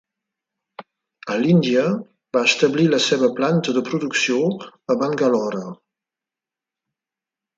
A l'Índia va establir la seva planta de producció a Bangalore.